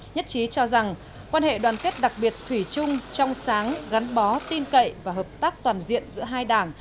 nhất trí cho rằng quan hệ đoàn kết đặc biệt thủy chung trong sáng gắn bó tin cậy và hợp tác toàn diện giữa hai đảng